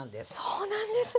そうなんですね。